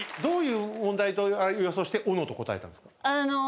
どういう問題と予想して「斧」と答えたんですか？